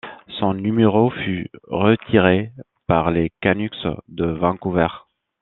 Son numéro fut retiré par les Canucks de Vancouver.